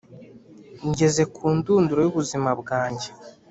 Ngeze ku ndunduro y’ubuzima bwanjye,